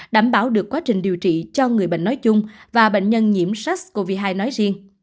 đảm bảo được quá trình điều trị cho người bệnh nói chung và bệnh nhân nhiễm sars cov hai nói riêng